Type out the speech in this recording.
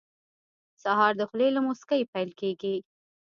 سهار د خولې له موسکۍ پیل کېږي.